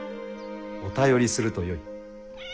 お頼りするとよい。